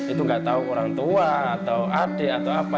itu nggak tahu orang tua atau adik atau apa